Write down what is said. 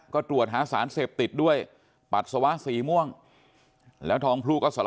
ก็ตรวจหาสารเสพติดด้วยปัดสวะสี่ม่วง